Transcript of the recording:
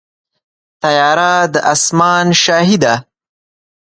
طیاره د اسمان شاهي ده.